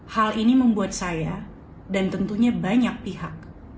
hal ini membuat saya dan tentunya banyak pihak